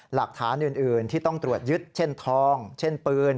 หลักฐานอื่นที่ต้องตรวจยึดเช่นทองเช่นปืน